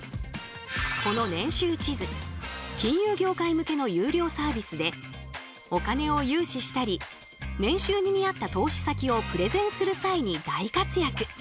この年収地図金融業界向けの有料サービスでお金を融資したり年収に見合った投資先をプレゼンする際に大活躍。